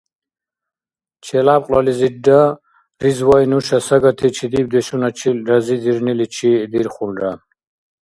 Челябкьлализирра Ризвай нуша сагати чедибдешуначил разидирниличи дирхулра.